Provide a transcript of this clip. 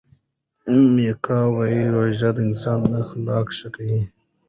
میکا وايي روژه د انسان اخلاق ښه کوي.